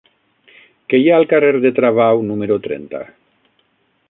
Què hi ha al carrer de Travau número trenta?